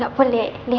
mas mbak makssih